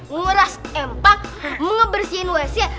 ngeras empang mengebersihin wc